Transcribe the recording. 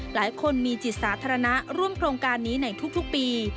หลายคนมีจิตสาธารณะร่วมโครงการนี้ในทุกปี